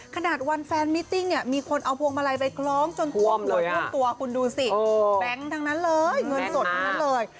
ขนาดวันแฟนมิติ้งเนี่ยมีคนเอาพวงมาลัยไปคล้องจนท่วมเลยท่วมตัวคุณดูสิแบงค์ทั้งนั้นเลยเงินสดทั้งนั้นเลย